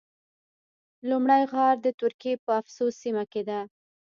لومړی غار د ترکیې په افسوس سیمه کې ده.